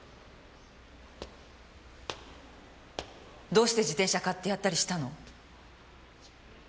どうして自転車買ってやったりしたの？